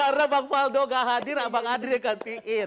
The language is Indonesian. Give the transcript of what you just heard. karena bang faldo gak hadir bang adri yang gantiin